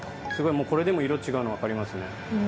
もうこれでも色違うの分かりますね。